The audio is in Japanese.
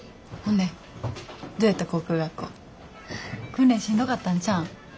訓練しんどかったんちゃうん。